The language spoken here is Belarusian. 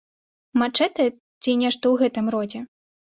Мачэтэ ці нешта ў гэтым родзе?